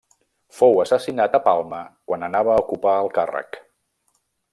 Fou assassinat a Palma quan anava a ocupar el càrrec.